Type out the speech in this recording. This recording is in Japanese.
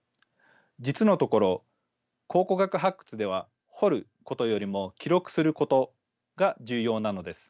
実のところ考古学発掘では掘ることよりも記録することが重要なのです。